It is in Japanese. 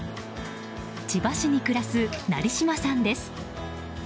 千葉市に暮らす成島さんです。